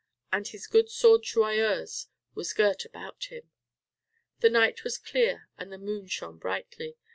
And his good sword Joyeuse was girt about him. The night was clear and the moon shone brightly.